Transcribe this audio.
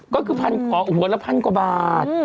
ก็คือพันขอหัวละพันกว่าบาท